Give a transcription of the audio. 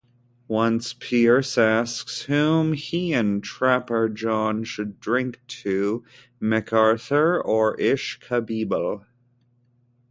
Once Pierce asks whom he and Trapper John should drink to-MacArthur or Ish Kabibble?